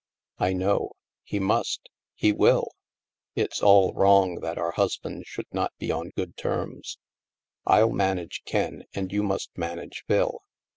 " I know. He must. He will. It's all wrong that our husbands should not be on good terms. I'll manage Ken, and you must manage Phil.